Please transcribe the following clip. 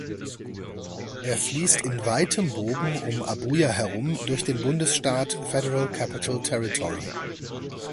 Er fließt in weitem Bogen um Abuja herum durch den Bundesstaat Federal Capital Territory.